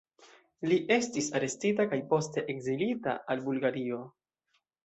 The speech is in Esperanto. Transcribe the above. Li estis arestita kaj poste ekzilita al Bulgario.